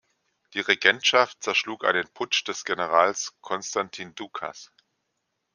Die Regentschaft zerschlug einen Putsch des Generals Konstantin Dukas.